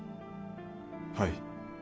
はい。